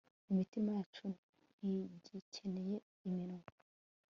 Imitima yacu ntigikeneye iminwa